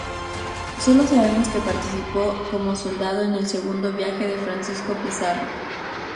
Solo sabemos que participó como soldado en el segundo viaje de Francisco Pizarro.